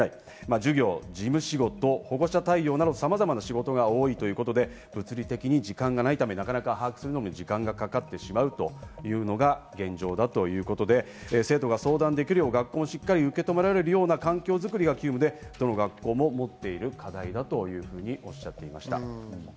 授業や事務仕事、保護者対応など、さまざまな仕事が多いということで物理的に時間がないため、時間がかかってしまうというのが現状だということで生徒が相談できるよう、学校もしっかり受け止められるような環境づくりが急務でどの学校ももっている課題だというふうにおっしゃっていました。